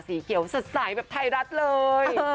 สีเขียวสดใสแบบไทยรัฐเลย